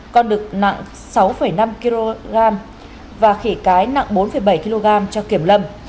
con đực nặng sáu năm kg và khỉ cái nặng bốn bảy kg cho kiểm lâm